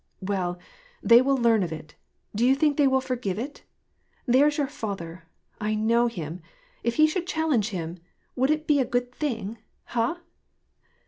"Well, they will learn of it ; do you think they will forgive it ? There's your father, I know him, if he should challenge him, would it be a good thing ? Ha